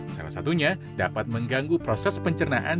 salah satunya dapat mengganggu proses pencernaan